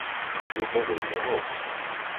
Yuba d ayla-w akk.